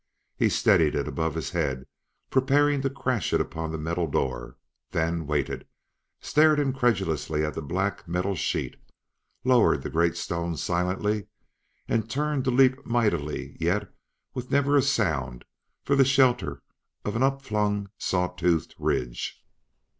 He steadied it above his head, preparing to crash it upon the metal door; then waited; stared incredulously at the black metal sheet; lowered the great stone silently and turned to leap mightily yet with never a sound for the shelter of an upflung saw toothed ridge.